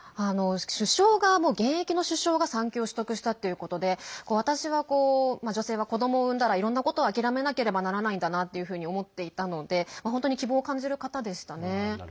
首相が、現役の首相が産休を取得したということで私は女性は子どもを生んだらいろんなことを諦めなければならないんだなというふうに思っていたので本当に希望を感じる方でしたね。